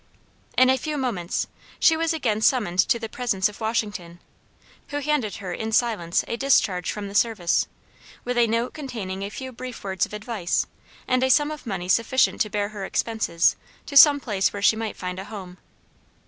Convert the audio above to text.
In a few moments, she was again summoned to the presence of Washington, who handed her in silence a discharge from the service, with a note containing a few brief words of advice, and a sum of money sufficient to bear her expenses to some place where she might find a home.